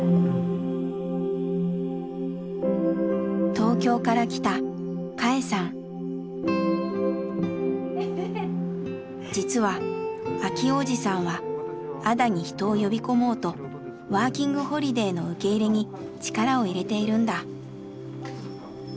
東京から来た実は明男おじさんは安田に人を呼び込もうとワーキングホリデーの受け入れに力をいれているんだ。